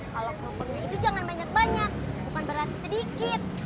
kalau kerupuknya itu jangan banyak banyak bukan berat sedikit